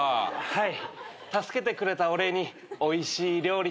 はい？